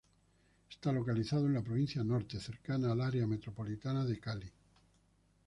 Está localizado en la Provincia Norte, cercana al Área Metropolitana de Cali.